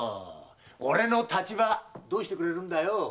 俺の立場どうしてくれるんだよ！